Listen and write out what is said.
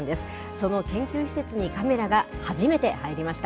その研究施設にカメラが初めて入りました。